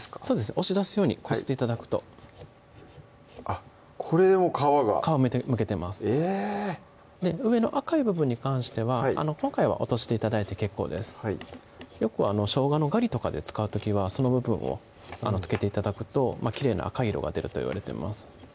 押し出すようにこすって頂くとあっこれでもう皮が皮むけてます上の赤い部分に関しては今回は落として頂いて結構ですよくしょうがのガリとかで使う時はその部分を付けて頂くときれいな赤い色が出るといわれてます